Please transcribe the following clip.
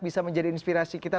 bisa menjadi inspirasi kita